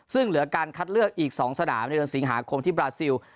ซึ่งเหลือการคัดเลือกอีก๒สนามในเดือนสิงหาคมที่บราซิล